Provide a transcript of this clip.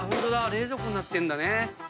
冷蔵庫になってんだね。